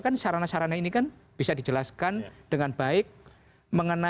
kan sarana sarana ini kan bisa dijelaskan dengan baik